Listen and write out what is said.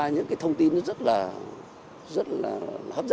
cho trang trí để đầu tư vào mắt trắng